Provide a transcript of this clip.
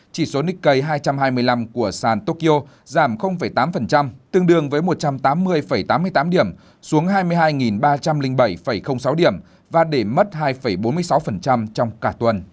chỉ số nikkei hai trăm hai mươi năm của san tokyo giảm tám tương đương với một trăm tám mươi tám mươi tám điểm xuống hai mươi hai ba trăm linh bảy sáu điểm và để mất hai bốn mươi sáu trong cả tuần